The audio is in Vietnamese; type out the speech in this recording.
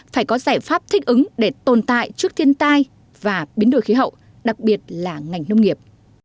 phải có giải pháp thích ứng để tồn tại trước thiên tai và biến đổi khí hậu đặc biệt là ngành nông nghiệp